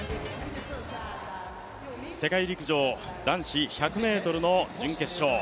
世界陸上、男子１００ｍ準決勝。